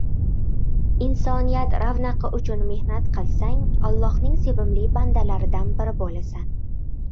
insoniyat ravnaqi uchun mehnat qilsang, Allohning sevimli bandalaridan biri bo‘lasan.